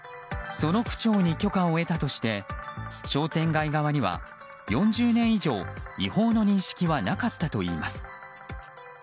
その区長に許可を得たとして商店街側には４０年以上、違法の認識はなかったといいます。